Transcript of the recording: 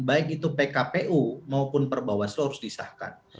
baik itu pkpu maupun perbawaslu harus disahkan